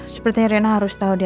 sepertinya rena harus tau deh